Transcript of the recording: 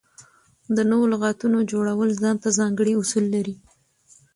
د نوو لغاتونو جوړول ځان ته ځانګړي اصول لري.